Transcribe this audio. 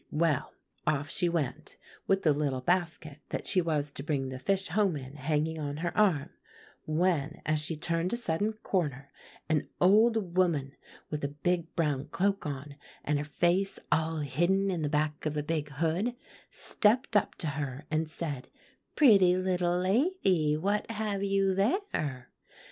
Well, off she went, with the little basket that she was to bring the fish home in, hanging on her arm; when, as she turned a sudden corner, an old woman with a big brown cloak on, and her face all hidden in the back of a big hood, stepped up to her and said, 'Pretty little lady, what have you there?